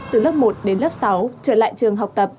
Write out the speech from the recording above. từ lớp một đến lớp sáu trở lại trường học tập